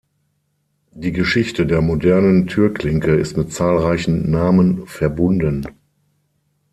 Die Geschichte der modernen Türklinke ist mit zahlreichen Namen verbunden.